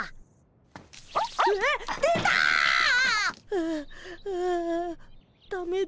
はあはあだめだ。